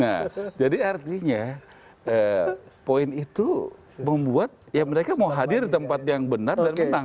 nah jadi artinya poin itu membuat ya mereka mau hadir di tempat yang benar dan menang